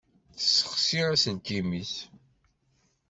Tessexsi aselkim-is.